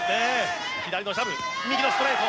左のジャブ右のストレート」。